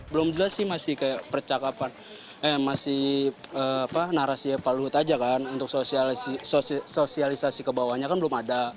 belum jelas sih masih kayak percakapan eh masih narasi pak luhut aja kan untuk sosialisasi ke bawahnya kan belum ada